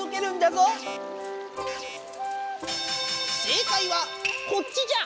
正解はこっちじゃ。